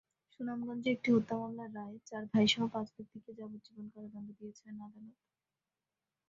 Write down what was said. সুনামগঞ্জে একটি হত্যা মামলায় রায়ে চার ভাইসহ পাঁচ ব্যক্তিকে যাবজ্জীবন কারাদণ্ড দিয়েছেন আদালত।